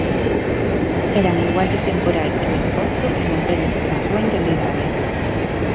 Eran igual de temporais que o imposto e mantéñense na súa integridade.